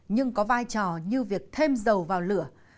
nhưng có vai trò như việc thêm dầu vào lửa